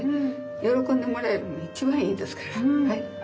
喜んでもらえるのが一番いいですから。